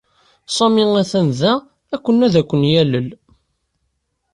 Sami atan da akken ad ken-yalel.